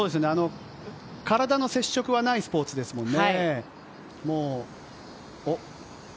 体の接触はないスポーツですもんね。